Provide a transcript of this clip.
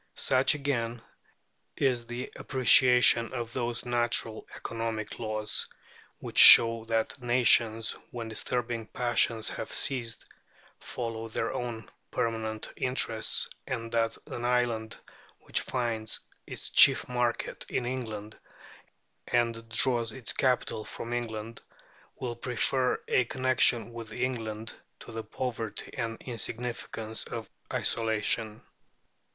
Such, again, is the appreciation of those natural economic laws which show that nations, when disturbing passions have ceased, follow their own permanent interests, and that an island which finds its chief market in England and draws its capital from England will prefer a connection with England to the poverty and insignificance of isolation.